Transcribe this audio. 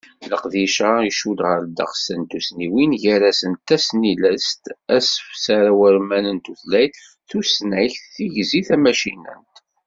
Leqdic-a, icudd ɣer ddeqs n tussniwin gar-asent: Tasnilest, asefser awurman n tultayt, tusnakt, tigzi tamacinant.